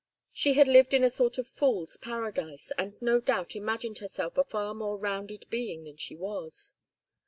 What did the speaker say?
She had lived in a sort of fool's paradise, and no doubt imagined herself a far more rounded being than she was.